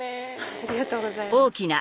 ありがとうございます。